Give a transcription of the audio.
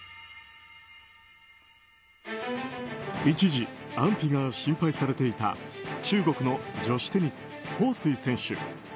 一時、安否が心配されていた中国の女子テニスホウ・スイ選手。